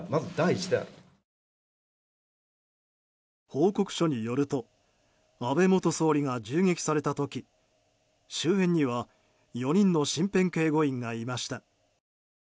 報告書によると安倍元総理が銃撃された時周辺には４人の身辺警護員がいました。